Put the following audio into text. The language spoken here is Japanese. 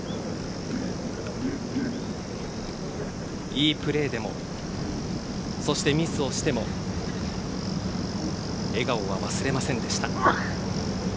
いいプレーでもそしてミスをしても笑顔は忘れませんでした。